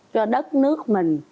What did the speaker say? cho đất nước mình